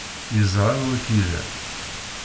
Yeẓra anwa ay k-ilan.